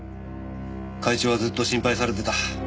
会長はずっと心配されてた。